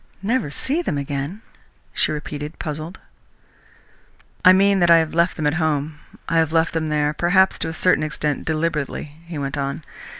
"Never see them again?" she repeated, puzzled. "I mean that I have left them at home. I have left them there, perhaps, to a certain extent deliberately," he went on.